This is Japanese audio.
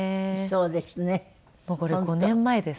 そうですね。